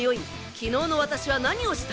昨日の私は何をした？